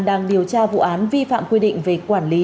đang điều tra vụ án vi phạm quy định về quản lý